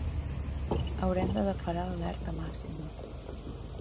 Haurem de declarar l'alerta màxima.